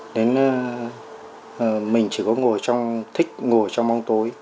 nên mình chỉ có ngồi trong thích ngồi trong bóng tối